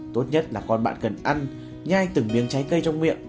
tốt nhất là con bạn cần ăn nhai từng miếng trái cây trong miệng